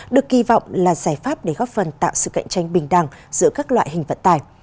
được kỳ vọng là giải pháp để góp phần tạo sự cạnh tranh bình đẳng giữa các loại hình vận tải